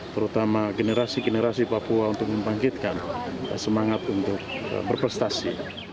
terutama generasi generasi papua untuk membangkitkan semangat untuk berprestasi